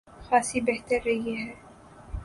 خاصی بہتر رہی ہے۔